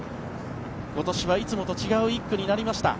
今年はいつもと違う１区になりました。